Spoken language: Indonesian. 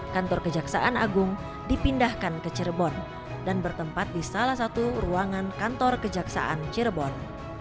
kantor kejaksaan agung dipindahkan ke cirebon dan bertempat di salah satu ruangan kantor kejaksaan cirebon